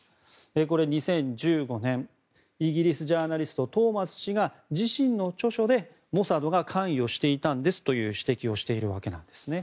これ、２０１５年イギリスのジャーナリストトーマス氏が自身の著書でモサドが関与していたんですという指摘をしているわけなんですね。